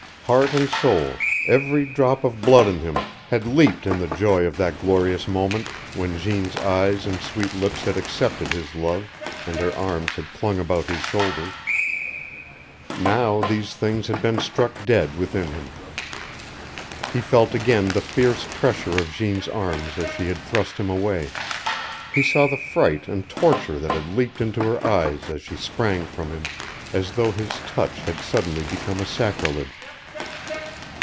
Heart and soul, every drop of blood in him, had leaped in the joy of that glorious moment, when Jeanne's eyes and sweet lips had accepted his love, and her arms had clung about his shoulders. Now these things had been struck dead within him. He felt again the fierce pressure of Jeanne's arms as she had thrust him away, he saw the fright and torture that had leaped into her eyes as she sprang from him, as though his touch had suddenly become a sacrilege.